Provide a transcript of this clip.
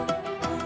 nih aku tidur